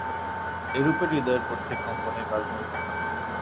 এইরূপে হৃদয়ের প্রত্যেক কম্পনেই কার্য হইতেছে।